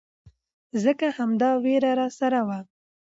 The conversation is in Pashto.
ځکه همدا ويره راسره وه.